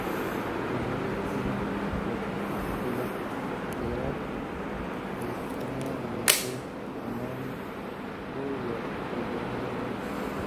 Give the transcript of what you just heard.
Su primer destino eclesiástico fue la Catedral de Cuenca donde fue canónigo y arcediano.